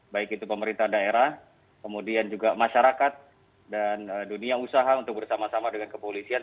baik itu pemerintah daerah kemudian juga masyarakat dan dunia usaha untuk bersama sama dengan kepolisian